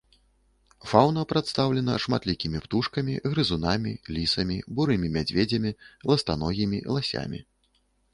Фаўна прадстаўлена шматлікімі птушкамі, грызунамі, лісамі, бурымі мядзведзямі, ластаногімі, ласямі.